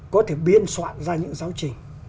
có thể biên soạn ra những giáo trình